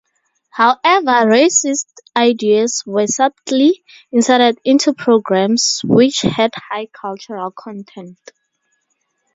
However, racist ideas were subtly inserted into programmes which had high cultural content.